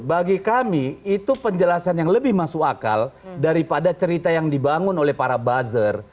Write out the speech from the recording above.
bagi kami itu penjelasan yang lebih masuk akal daripada cerita yang dibangun oleh para buzzer